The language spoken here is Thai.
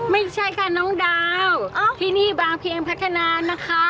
ไม่ใช่ค่ะน้องดาวที่นี่บางเพียงพัฒนานะคะ